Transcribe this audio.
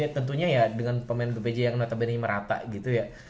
tentunya ya dengan pemain bpj yang notabene merata gitu ya